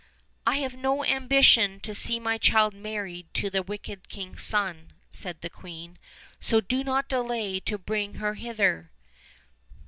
"I have no ambition to see my child married to the wicked king's son," said the queen; "so do not delay to bring her hither."